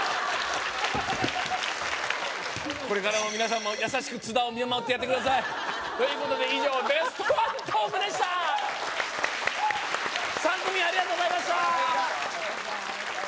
これからも皆さんも優しく津田を見守ってやってくださいということで以上ベストワントークでした３組ありがとうございました